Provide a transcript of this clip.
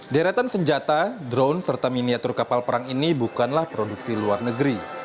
deretan senjata drone serta miniatur kapal perang ini bukanlah produksi luar negeri